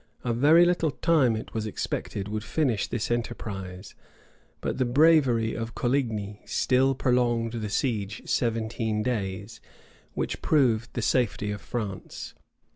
A very little time, it was expected, would finish this enterprise; but the bravery of Coligny still prolonged the siege seventeen days, which proved the safety of France.